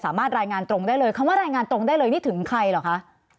รายงานตรงได้เลยคำว่ารายงานตรงได้เลยนี่ถึงใครเหรอคะ